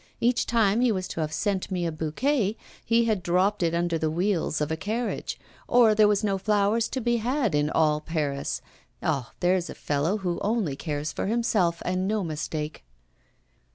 Each time he was to have sent me a bouquet, he had dropped it under the wheels of a carriage, or there were no flowers to be had in all Paris. Ah! there's a fellow who only cares for himself, and no mistake.